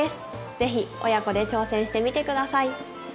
是非親子で挑戦してみて下さい。